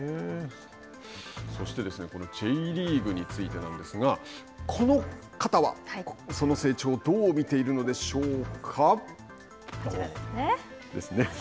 そして、このＪリーグについてなんですがこの方はその成長をこちらですね。